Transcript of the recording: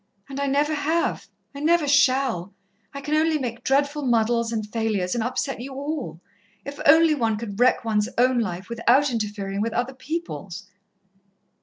And I never have, I never shall. I can only make dreadful muddles and failures, and upset you all. If only one could wreck one's own life without interfering with other people's!"